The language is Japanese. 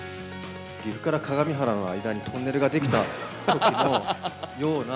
岐阜から各務原の間にトンネルが出来たときのような。